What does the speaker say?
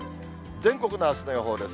全国のあすの予報です。